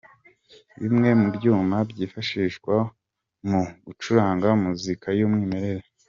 Bimwe mu byuma byifashishwa mu gucuranga muzika y'umwimerere.